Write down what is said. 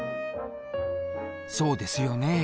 そうですよね。